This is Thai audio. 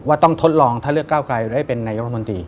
ต้องทดลองถ้าเลือกก้าวไกลได้เป็นนายกรมนตรี